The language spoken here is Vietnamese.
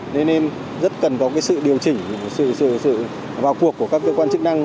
nên nên rất cần có cái sự điều chỉnh sự vào cuộc của các cơ quan chức năng